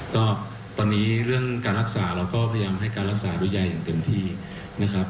ก็ตอนนี้เรื่องการรักษาเราก็พยายามให้การรักษาด้วยยายอย่างเต็มที่นะครับ